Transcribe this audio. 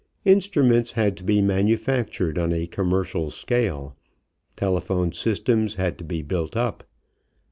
Instruments had to be manufactured on a commercial scale, telephone systems had to be built up.